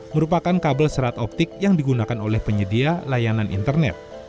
merupakan kabel serat optik yang digunakan oleh penyedia layanan internet